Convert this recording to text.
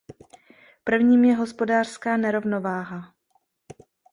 Prvním je hospodářská nerovnováha.